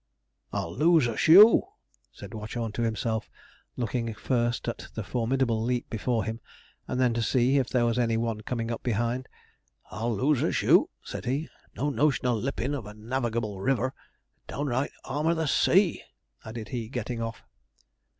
'I'll lose a shoe,' said Watchorn to himself, looking first at the formidable leap before him, and then to see if there was any one coming up behind. 'I'll lose a shoe,' said he. 'No notion of lippin' of a navigable river a downright arm of the sea,' added he, getting off.